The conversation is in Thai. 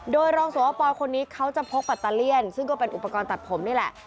โดยรองสวปคนนี้เขาจะพกปัตตาเลี่ยนซึ่งก็เป็นอุปกรณ์ตัดผมนี่แหละ